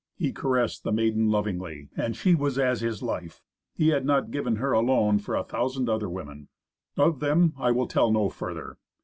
He caressed the maiden lovingly, and she was as his life. He had not given her alone for a thousand other women. Of them I will tell no further.